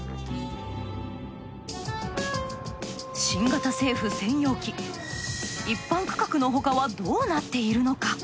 新型政府専用機一般区画の他はどうなっているのか？